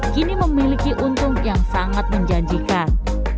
kini memiliki untung yang sangat menjanjikan